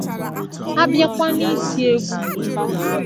A bịakwa n'iti egwu